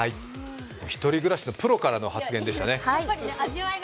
１人暮らしのプロからの発言ですね。